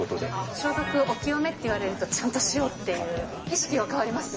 消毒をお清めっていわれるとちゃんとしようっていう、意識は変わりますね。